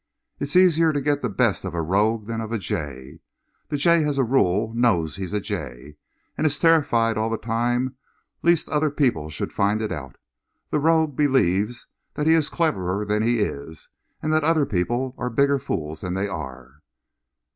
It's easier to get the best of a rogue than of a jay. The jay as a rule knows he's a jay, and is terrified all the time lest other people should find it out. The rogue believes that he's cleverer than he is, and that other people are bigger fools than they are....